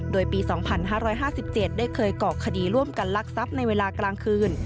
โดยปี๒๕๕๗ได้เคยเกาะคดีร่วมกันลักทรัพย์ในเวลากลางคืน